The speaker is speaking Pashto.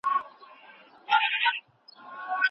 زه هره ورځ د پښتو ټایپنګ تمرین کوم.